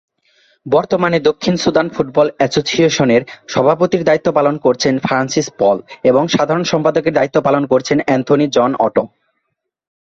বর্তমানে দক্ষিণ Sudan football অ্যাসোসিয়েশনের সভাপতির দায়িত্ব পালন করছেন ফ্রান্সিস পল এবং সাধারণ সম্পাদকের দায়িত্ব পালন করছেন অ্যান্থনি জন অটো।